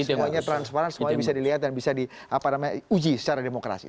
semuanya transparan semuanya bisa dilihat dan bisa diuji secara demokrasi